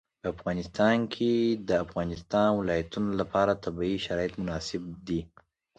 په افغانستان کې د د افغانستان ولايتونه لپاره طبیعي شرایط مناسب دي.